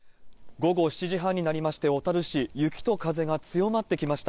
午後７時半になりまして、小樽市、雪と風が強まってきました。